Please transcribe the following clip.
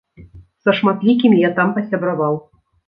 Са шматлікімі я там пасябраваў.